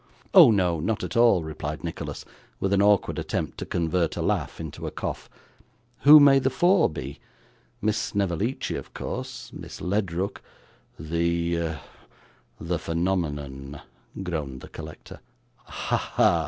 'Oh no, not at all,' replied Nicholas, with an awkward attempt to convert a laugh into a cough. 'Who may the four be? Miss Snevellicci of course Miss Ledrook ' 'The the phenomenon,' groaned the collector. 'Ha, ha!